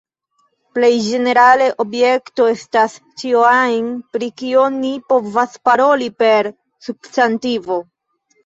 Plej ĝenerale, objekto estas ĉio ajn, pri kio ni povas paroli per substantivo.